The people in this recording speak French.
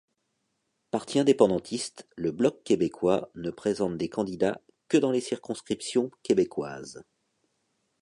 Parti indépendantiste, le Bloc québécois ne présente des candidats que dans les circonscriptions québécoises.